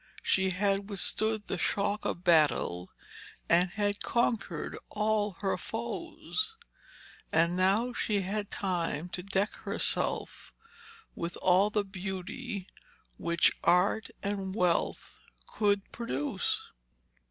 She had withstood the shock of battle and conquered all her foes, and now she had time to deck herself with all the beauty which art and wealth could produce.